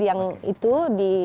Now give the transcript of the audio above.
yang itu di